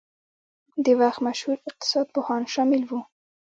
د وخت مشهور اقتصاد پوهان شامل وو.